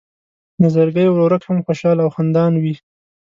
نظرګی ورورک هم خوشحاله او خندان وي.